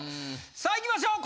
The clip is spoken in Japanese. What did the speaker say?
さあいきましょう！